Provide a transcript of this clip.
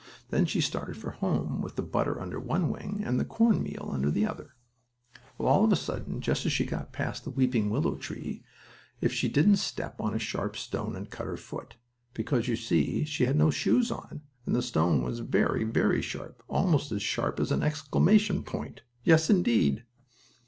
Then she started for home, with the butter under one wing and the cornmeal under the other. Well, all of a sudden, just as she got past the weeping willow tree, if she didn't step on a sharp stone and cut her foot, because, you see, she had no shoes on, and the stone was very, very sharp, almost as sharp as an exclamation point; yes, indeed!